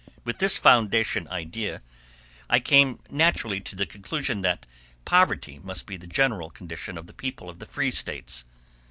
With this foundation idea, I came naturally to the conclusion that poverty must be the general condition of the people of the free States.